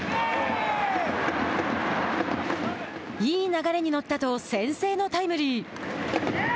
いい流れに乗ったと先制のタイムリー。